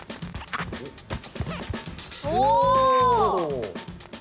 お！